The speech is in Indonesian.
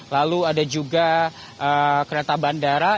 lalu ada juga kereta bandara